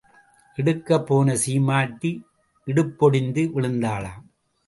எடுக்கப் போன சீமாட்டி இடுப்பு ஒடிந்து விழுந்தாளாம்.